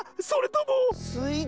それとも。